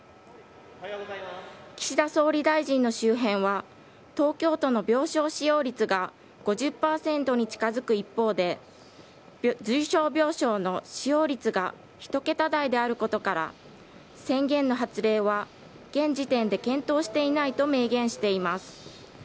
岸田総理大臣の周辺は、東京都の病床使用率が５０％に近づく一方で、重症病床の使用率が１桁台であることから、宣言の発令は、現時点で検討していないと明言しています。